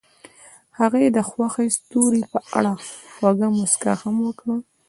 هغې د خوښ ستوري په اړه خوږه موسکا هم وکړه.